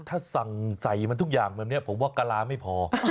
ท่าสั่งใส่ละทุกอย่างเหมือนนี่ผมว่ากาลาไม่พอ